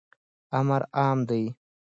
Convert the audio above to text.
امر عام دی.